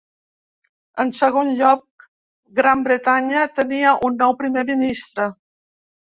En segon lloc, Gran Bretanya tenia un nou Primer Ministre.